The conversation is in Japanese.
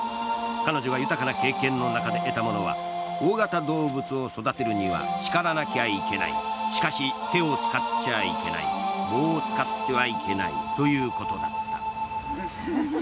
彼女が豊かな経験の中で得たものは大型動物を育てるにはしからなきゃいけないしかし手を使っちゃいけない棒を使ってはいけないということだ。